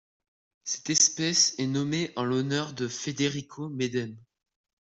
Cette espèce est nommée en l'honneur de Federico Medem.